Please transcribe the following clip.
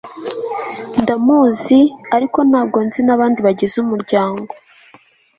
ndamuzi, ariko ntabwo nzi nabandi bagize umuryango